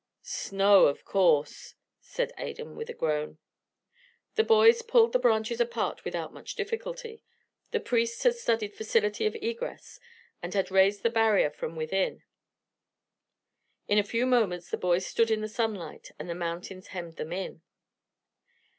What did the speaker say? "Snow, of course," said Adan, with a groan. The boys pulled the branches apart without much difficulty: the priests had studied facility of egress and had raised the barrier from within. In a few moments the boys stood in the sunlight; and the mountains hemmed them in.